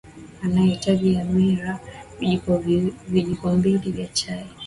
utahitaji hamira vijiko mbili vya chai